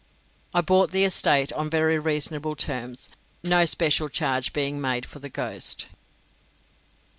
I bought the estate on very reasonable terms, no special charge being made for the ghost.